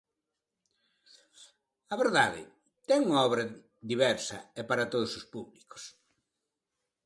A verdade ten unha obra diversa e para todos os públicos.